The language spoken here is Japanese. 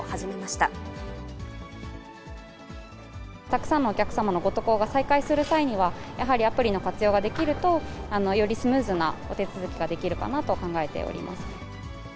たくさんのお客様のご渡航が再開する際には、やはりアプリの活用ができると、よりスムーズなお手続きができるかなと考えております。